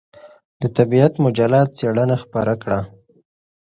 د طبعیت مجله څېړنه خپره کړه.